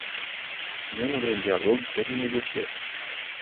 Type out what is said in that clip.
Noi nu vrem dialog, dorim negocieri.